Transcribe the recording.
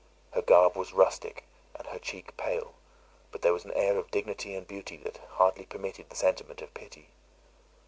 Her garb was rustic, and her cheek pale; but there was an air of dignity and beauty, that hardly permitted the sentiment of pity.